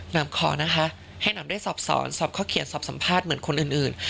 มขอนะคะให้หม่อมได้สอบสอนสอบข้อเขียนสอบสัมภาษณ์เหมือนคนอื่น